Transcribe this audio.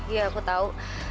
iya aku tahu